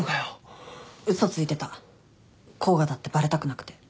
嘘ついてた甲賀だってバレたくなくて。